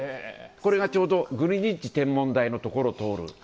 これがちょうどグリニッジ天文台を通る。